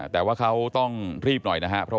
แต่ว่าเขาต้องรีบหน่อยนะครับ